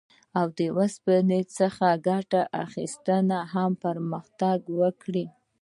له اوسپنې څخه ګټې اخیستنې هم پرمختګ وکړ.